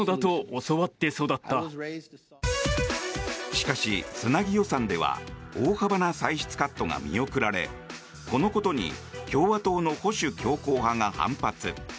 しかし、つなぎ予算では大幅な歳出カットが見送られこのことに共和党の保守強硬派が反発。